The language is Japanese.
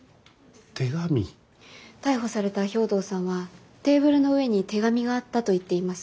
逮捕された兵藤さんはテーブルの上に手紙があったと言っています。